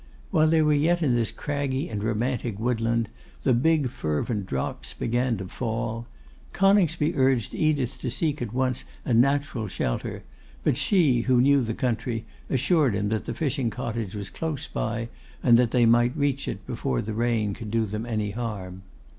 While they were yet in this craggy and romantic woodland, the big fervent drops began to fall. Coningsby urged Edith to seek at once a natural shelter; but she, who knew the country, assured him that the fishing cottage was close by, and that they might reach it before the rain could do them any harm.